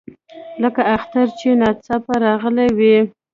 لکه اختر چې ناڅاپه راغلی وي.